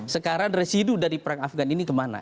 sekarang residu dari perang afgan ini kemana